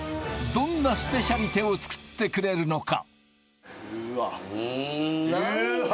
どんなスペシャリテを作ってくれるのかうーわ